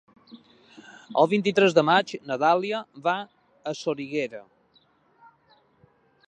El vint-i-tres de maig na Dàlia va a Soriguera.